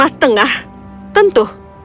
lima setengah tentu